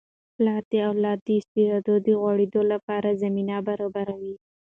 پلار د اولاد د استعدادونو د غوړیدو لپاره زمینه برابروي.